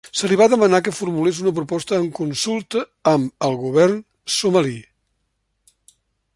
Se li va demanar que formulés una proposta en consulta amb el govern somali.